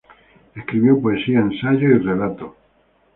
Escribió poesía, ensayos y relatos.